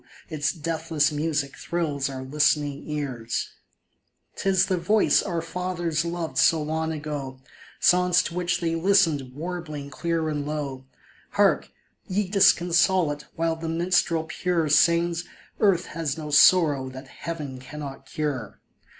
its deathless music thrills our listening ears ! 'Tis the voice our fathers loved so long ago, Songs to which they listened warbling clear and low ; Hark, " Ye Disconsolate !" while the minstrel pure Sings —" Earth has no sorrow that heaven cannot cure